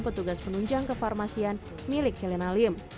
petugas penunjang kefarmasian milik helena lim